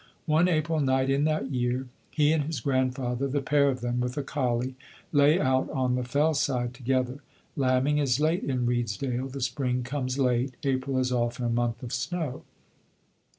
One April night in that year he and his grandfather, the pair of them with a collie, lay out on the fell side together. Lambing is late in Redesdale, the spring comes late; April is often a month of snow.